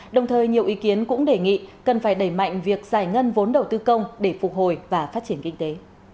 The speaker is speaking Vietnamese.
đồng thời nhiều ý kiến cũng đề nghị cần phải đẩy mạnh việc giải ngân vốn đầu tư công để phục hồi và phát triển kinh tế